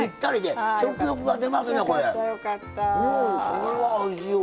これはおいしいわ。